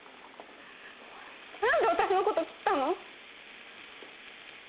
何で私のこときったの？